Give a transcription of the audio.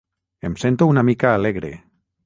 Em sento una mica alegre.